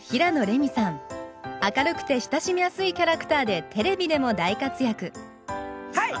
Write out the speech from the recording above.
明るくて親しみやすいキャラクターでテレビでも大活躍はい！